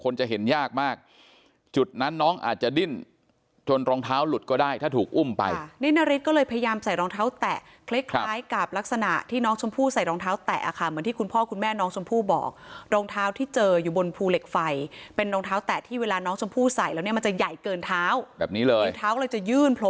จะเห็นยากมากจุดนั้นน้องอาจจะดิ้นจนรองเท้าหลุดก็ได้ถ้าถูกอุ้มไปนี่นาริสก็เลยพยายามใส่รองเท้าแตะคล้ายคล้ายกับลักษณะที่น้องชมพู่ใส่รองเท้าแตะค่ะเหมือนที่คุณพ่อคุณแม่น้องชมพู่บอกรองเท้าที่เจออยู่บนภูเหล็กไฟเป็นรองเท้าแตะที่เวลาน้องชมพู่ใส่แล้วเนี่ยมันจะใหญ่เกินเท้าแบบนี้เลยรองเท้าก็เลยจะยื่นโพ